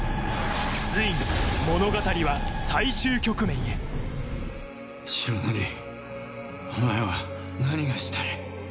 ついに物語は最終局面へ白塗りお前は何がしたい？